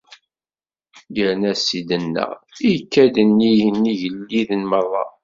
Yerna Ssid-nneɣ ikka-d nnig n yigelliden merra.